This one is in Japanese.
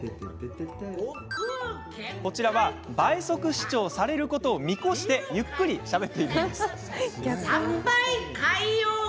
こちらは倍速視聴されることを見越してゆっくりしゃべっています。